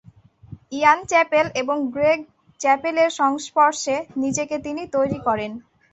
ইয়ান Chappell এবং Greg চ্যাপেলের সংস্পর্শে নিজেকে তিনি তৈরী করেন।